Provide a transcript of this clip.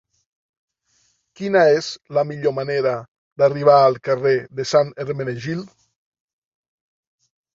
Quina és la millor manera d'arribar al carrer de Sant Hermenegild?